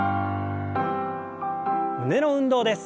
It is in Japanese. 胸の運動です。